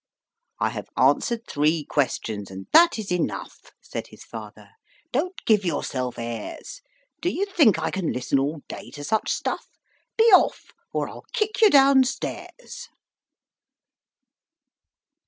"I have answered three questions, and that is enough," Said his father. "Don't give yourself airs! Do you think I can listen all day to such stuff? Be off, or I'll kick you down stairs.